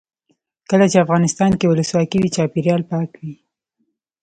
کله چې افغانستان کې ولسواکي وي چاپیریال پاک وي.